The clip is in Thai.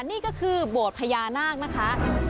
นี่ก็คือโบสถ์พญานาคนะคะ